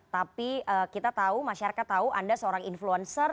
tapi kita tahu masyarakat tahu anda seorang influencer